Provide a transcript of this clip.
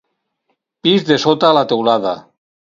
Pis de sota la teulada.